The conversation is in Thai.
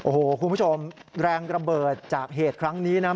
โอ้โหคุณผู้ชมแรงระเบิดจากเหตุครั้งนี้นะ